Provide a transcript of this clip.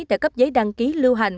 đã cấp giấy đăng ký lưu hành